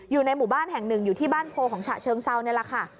อยู่ในหมู่บ้านแห่งหนึ่งอยู่ที่บ้านโพของฉะเชิงเซานี่แหละค่ะ